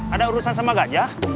ada urusan sama gajah